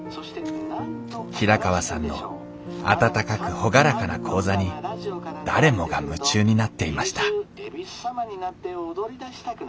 平川さんの温かく朗らかな講座に誰もが夢中になっていました